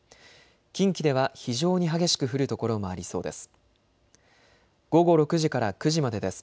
近畿では非常に激しく降る所もありそうです。